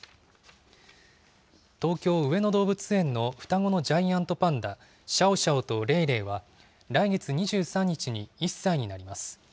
東京・上野動物園の双子のジャイアントパンダ、シャオシャオとレイレイは、来月２３日に１歳になります。